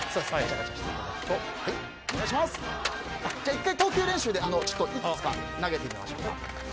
１回、投球練習でいくつか投げてみましょう。